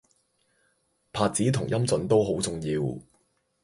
拍子同音準都好重要